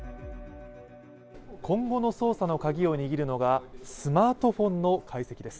今後の捜査の鍵を握るのがスマートフォンの解析です。